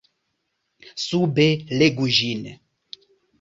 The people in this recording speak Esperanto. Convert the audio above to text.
Sube legu ĝin.